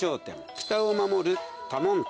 北を守る多聞天。